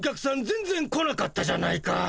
全ぜん来なかったじゃないか。